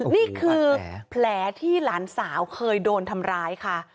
นี่คือแผลที่หลานสาวเคยโดนทำร้ายค่ะ